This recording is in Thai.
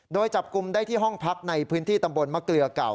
โดยจับกลุ่มได้ที่ห้องพักในพื้นที่ตำบลมะเกลือเก่า